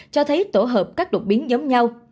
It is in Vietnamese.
cho thấy tổ hợp các đột biến giống nhau